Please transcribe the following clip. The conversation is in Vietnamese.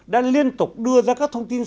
đã liên tục đưa ra các thông tin